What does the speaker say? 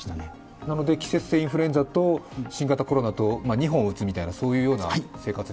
なので、季節性インフルエンザとコロナと、２本打つみたいなそういう生活に？